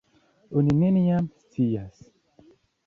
Oni neniam scias.